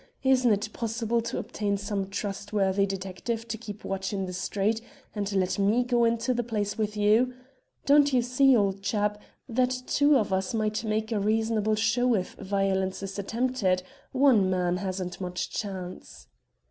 Isn't it possible to obtain some trustworthy detective to keep watch in the street, and let me go into the place with you? Don't you see, old chap, that two of us might make a reasonable show if violence is attempted? One man hasn't much chance."